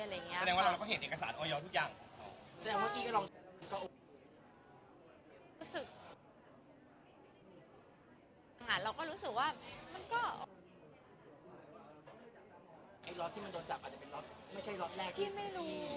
แสดงว่าเราก็เห็นเอกสารออยอทุกอย่าง